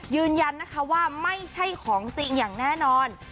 ยืนยันนะคะว่าไม่ใช่ของจริงอย่างแน่นอน